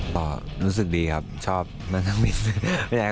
ก็รู้สึกดีครับชอบมานั่งมิส